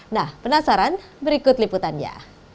nah penasaran berikut liputannya